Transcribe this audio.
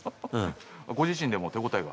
ご自身でも手応えが？